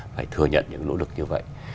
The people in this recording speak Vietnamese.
phải thừa nhận những nỗ lực như vậy